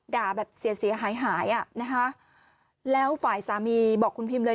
ด่าแบบเสียหายหายอ่ะนะคะแล้วฝ่ายสามีบอกคุณพิมเลย